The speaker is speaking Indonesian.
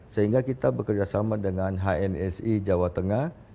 sehingga kita bekerjasama dengan hnsi jawa tengah